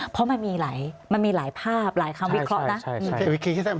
เพราะมันมีหลายภาพหลายคำวิเคราะห์นะ